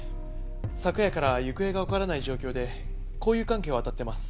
昨夜から行方がわからない状況で交友関係をあたってます。